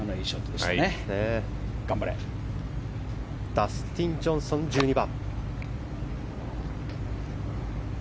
ダスティン・ジョンソン１２番。